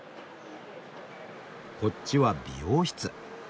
こっちは美容室。